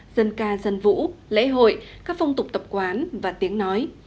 dân ca dân vũ lễ hội các phong tục tập quán và tiếng nói